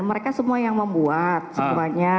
mereka semua yang membuat semuanya